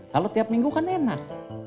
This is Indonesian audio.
kalau tiap minggu kan enak